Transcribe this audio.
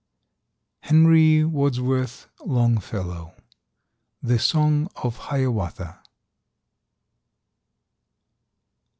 —Henry Wadsworth Longfellow, "The Song of Hiawatha."